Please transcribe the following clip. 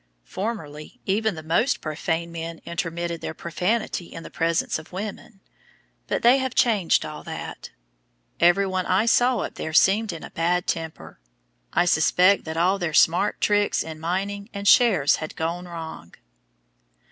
Formerly, even the most profane men intermitted their profanity in the presence of women, but they "have changed all that." Every one I saw up there seemed in a bad temper. I suspect that all their "smart tricks" in mining shares had gone wrong.